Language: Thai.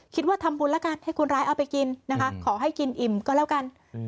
คิดว่าทำบุญแล้วกันให้คนร้ายเอาไปกินนะคะขอให้กินอิ่มก็แล้วกัน